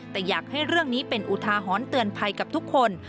แต่อยากให้เรื่องนี้เป็นอุทาหรณ์เตือนภัยกับทุกคน